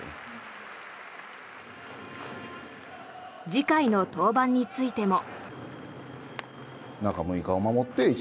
次回の登板についても。